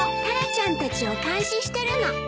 タラちゃんたちを監視してるの。